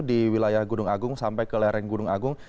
di wilayah gunung agung sampai ke lereng gunung agung